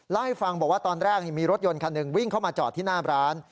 เล่าให้ฟังบอกว่าตอนแรกมีรถยนต์คันหนึ่งวิ่งเข้ามาจอดที่หน้าร้าน